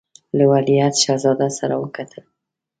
له ولیعهد شهزاده سره وکتل.